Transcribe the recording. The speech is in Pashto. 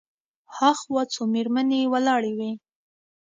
هاخوا څو مېرمنې ولاړې وې.